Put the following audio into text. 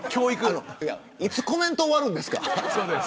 いつコメント終わるんですか。